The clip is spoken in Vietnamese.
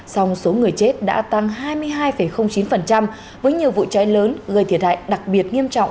song số người chết đã tăng hai mươi hai chín với nhiều vụ cháy lớn gây thiệt hại đặc biệt nghiêm trọng